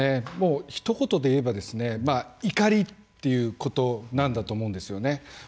ひと言で言えば怒りということなんだと思うんです。